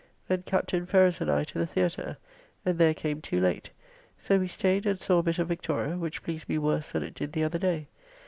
Then Captain Ferrers and I to the Theatre, and there came too late, so we staid and saw a bit of "Victoria," which pleased me worse than it did the other day.